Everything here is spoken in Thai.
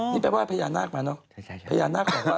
นี่แปลว่าพญานาคมาเนาะ